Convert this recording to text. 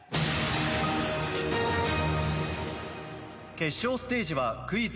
決勝ステージはクイズ